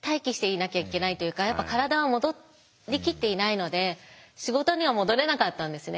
体は戻りきっていないので仕事には戻れなかったんですね。